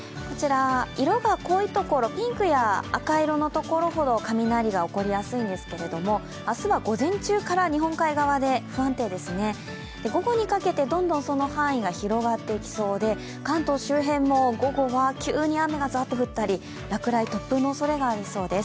色が濃いところ、ピンクや赤色のところほど雷が起こりやすいんですけど、明日は午前中から日本海側で午後にかけてどんどんその範囲が広がっていきそうで、関東周辺も午後は急に雨がざっと降ったり、落雷、突風のおそれもありそうです。